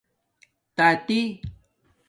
تاتی